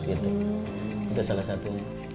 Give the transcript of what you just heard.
itu salah satu